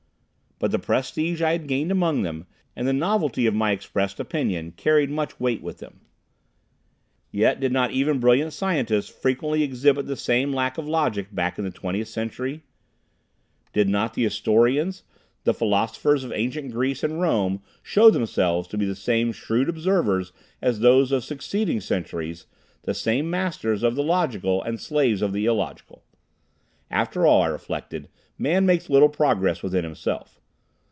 But the prestige I had gained among them, and the novelty of my expressed opinion carried much weight with them. Yet, did not even brilliant scientists frequently exhibit the same lack of logic back in the Twentieth Century? Did not the historians, the philosophers of ancient Greece and Rome show themselves to be the same shrewd observers as those of succeeding centuries, the same masters of the logical and slaves of the illogical? After all, I reflected, man makes little progress within himself.